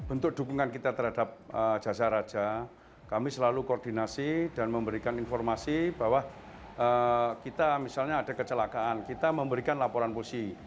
untuk dukungan kita terhadap jasa raja kami selalu koordinasi dan memberikan informasi bahwa kita misalnya ada kecelakaan kita memberikan laporan polisi